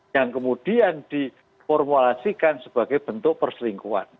yang kemudian diformulasikan sebagai bentuk perselingkuhan